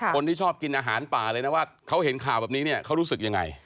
คนที่ชอบกินอาหารป่าเลยนะว่าเขาเห็นข่าวแบบนี้เนี่ยเขารู้สึกยังไง